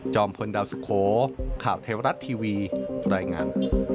พลดาวสุโขข่าวเทวรัฐทีวีรายงาน